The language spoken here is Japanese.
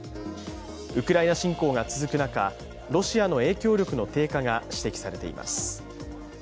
ウクライナ侵攻が続く中、ロシアの影響力の低下が指摘されています。